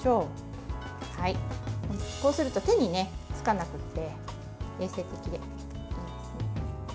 こうすると手につかなくて衛生的でいいですね。